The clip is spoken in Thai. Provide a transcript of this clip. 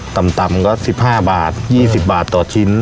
ต่ำก็๑๕บาท๒๐บาทต่อชิ้น